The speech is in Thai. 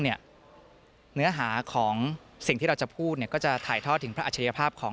เนื้อหาของสิ่งที่เราจะพูดก็จะถ่ายทอดถึงพระอัชยภาพของ